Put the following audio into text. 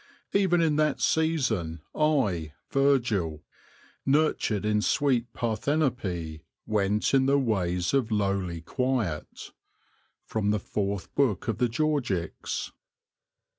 . even in that season I, Virgil, nurtured in sweet Parthenope, went in the ways of lowly Quiet." — Fourth Book of the Georgics.